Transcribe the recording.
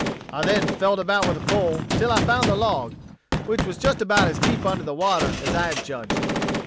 "I then felt about with the pole till I found the log, which was just about as deep under the water as I had judged.